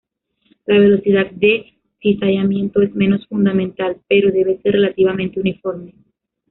La velocidad de cizallamiento es menos fundamental, pero debe ser relativamente uniforme.